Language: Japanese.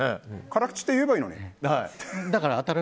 辛口って言えばいいのに。